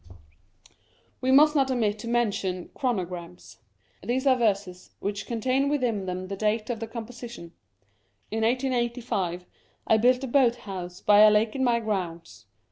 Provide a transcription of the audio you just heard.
We must not omit to mentidn Chronograms. These are verses which contain within them the date of the composition. In 1885 I built a boat house by a lake in my grounds.